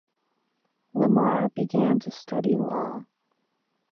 Lamar began to study law.